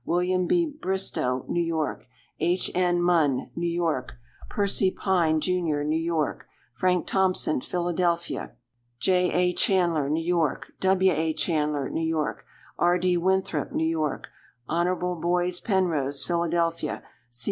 William B. Bristow, New York. H. N. Munn, New York. Percy Pyne, Jr., New York. Frank Thomson, Philadelphia. J. A. Chanler, New York. W. A. Chanler, New York. R. D. Winthrop, New York. Hon. Boies Penrose, Philadelphia.